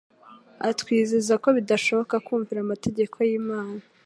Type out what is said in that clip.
Atwizeza ko bidashoboka kumvira amategeko y'Imana.